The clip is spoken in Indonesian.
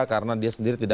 karena dia sendiri tidak